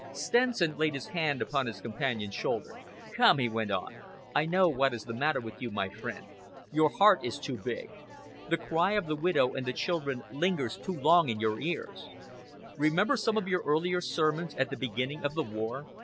Stenson laid his hand upon his companion's shoulder. "Come," he went on, "I know what is the matter with you, my friend. Your heart is too big. The cry of the widow and the children lingers too long in your ears. Remember some of your earlier sermons at the beginning of the war.